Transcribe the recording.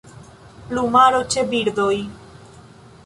Plumaro ĉe birdoj.